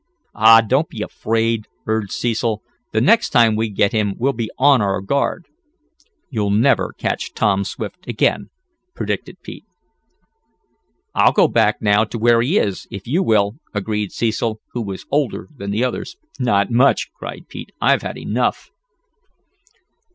"Aw, don't be afraid," urged Cecil. "The next time we get him we'll be on our guard." "You'll never catch Tom Swift again," predicted Pete. "I'll go back now to where he is, if you will," agreed Cecil, who was older than the others. "Not much!" cried Pete. "I've had enough."